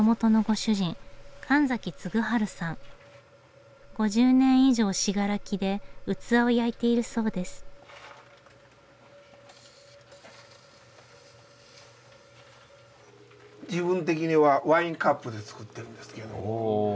自分的にはワインカップで作ってるんですけど。